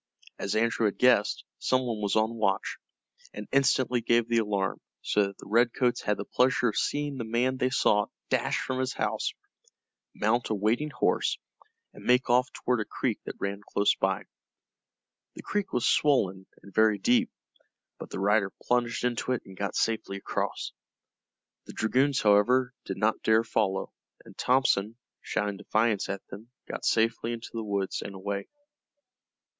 As Andrew had guessed, some one was on watch, and instantly gave the alarm, so that the Redcoats had the pleasure of seeing the man they sought dash from his house, mount a waiting horse, and make off toward a creek that ran close by. The creek was swollen and very deep, but the rider plunged into it and got safely across. The dragoons, however, did not dare follow, and Thompson, shouting defiance at them, got safely into the woods and away.